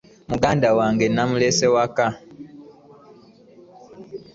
Muganda wange namulese waka.